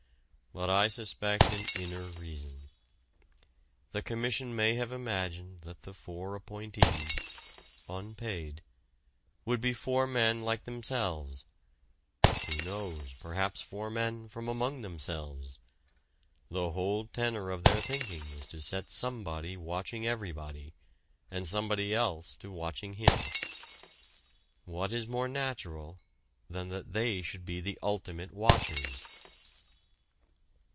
But I suspect an inner reason. The Commission may have imagined that the four appointees unpaid would be four men like themselves who knows, perhaps four men from among themselves? The whole tenor of their thinking is to set somebody watching everybody and somebody else to watching him. What is more natural than that they should be the Ultimate Watchers?